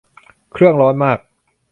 เครื่องร้อนมาก